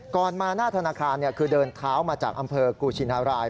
ก่อนมาธนาคารเดินท้าวมาจากอำเภอกูชินาลาย